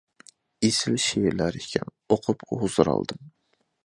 ئېسىل شېئىرلار ئىكەن، ئوقۇپ ھۇزۇر ئالدىم.